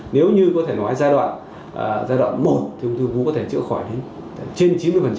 nếu như có thể nói giai đoạn một thì ung thư vú có thể chữa khỏi đến trên chín mươi